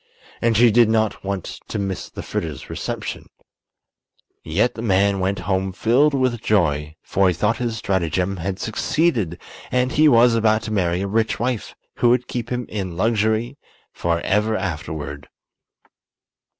And she did not want to miss the Fritters' reception. Yet the man went home filled with joy; for he thought his stratagem had succeeded and he was about to marry a rich wife who would keep him in luxury forever afterward.